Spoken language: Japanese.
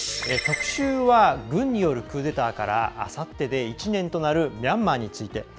特集は、軍によるクーデターからあさってで１年となるミャンマーについて。